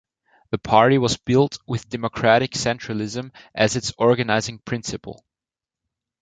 The party was built with democratic centralism as its organizing principle.